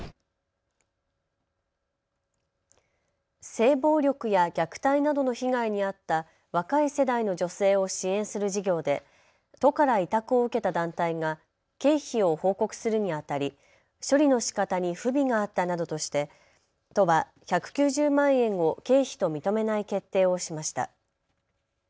性暴力や虐待などの被害に遭った若い世代の女性を支援する事業で都から委託を受けた団体が経費を報告するにあたり処理のしかたに不備があったなどとして都は１９０万円を経費と認めない決定をしました。